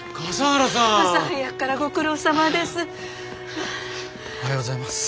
朝早くからご苦労さまです。